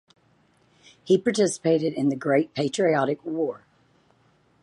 He participated in the Great Patriotic War.